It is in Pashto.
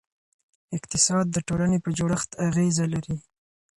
اقتصاد د ټولنې په جوړښت اغېزه لري.